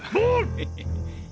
ヘヘヘッ。